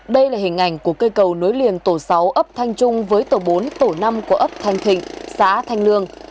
đây là hình ảnh của cây cầu nối liền tổ sáu ấp thanh trung với tổ bốn tổ năm của ấp thanh thịnh xã thanh lương